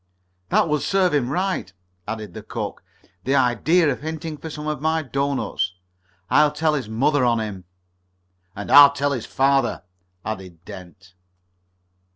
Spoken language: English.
"That would serve him right," added the cook "The idea of hinting for some of my doughnuts! I'll tell his mother on him." "And I'll tell his father," added Dent.